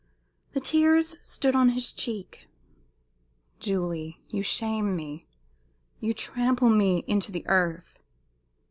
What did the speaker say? The tears stood on his cheek. "Julie, you shame me you trample me into the earth!"